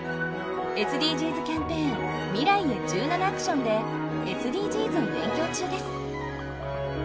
ＳＤＧｓキャンペーン「未来へ１７ａｃｔｉｏｎ」でＳＤＧｓを勉強中です。